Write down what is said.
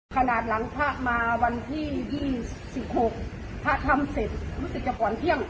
ขนาดหลังพระมาวันที่๒๖พระทำเสร็จรู้สึกจะก่อนเที่ยง